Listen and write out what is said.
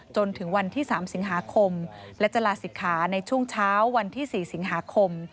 จนถึงวันที่๓สิงหาคมและจะลาศิกขาในช่วงเช้าวันที่๔สิงหาคม